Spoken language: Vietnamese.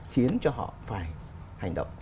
khiến cho họ phải hành động